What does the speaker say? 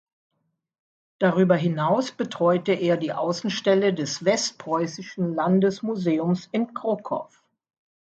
Darüber hinaus betreute er die Außenstelle des Westpreußischen Landesmuseums in Krockow.